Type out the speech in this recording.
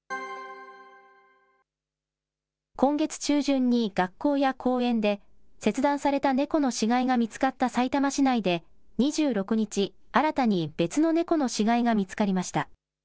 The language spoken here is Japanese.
今月中旬に、学校や公園で切断された猫の死骸が見つかったさいたま市内で２６日、新たに別の猫の死骸が見つかりました。